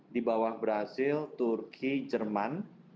di bawah brazil turki jerman